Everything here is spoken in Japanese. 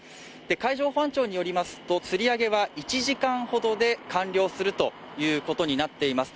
海上保安庁によりますとつり上げは１時間ほどで完了するということになっています。